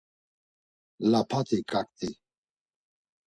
Lapati kaǩti.